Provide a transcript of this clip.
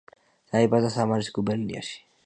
დაიბადა სამარის გუბერნიაში.